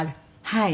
はい。